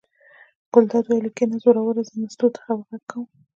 ګلداد وویل: کېنه زوروره زه مستو ته غږ کوم.